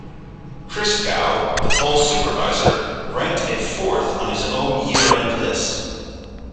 Christgau, the poll's supervisor, ranked it fourth on his own year-end list.